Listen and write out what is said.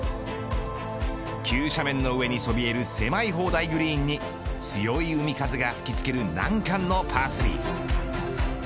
急斜面の上にそびえる狭い砲台グリーンに強い海風が吹き付ける難関のパー３。